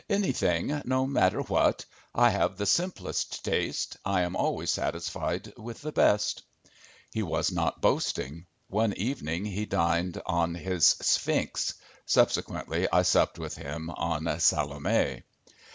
"Anything, no matter what. I have the simplest tastes. I am always satisfied with the best." He was not boasting. One evening he dined on his "Sphinx." Subsequently I supped with him on "Salome."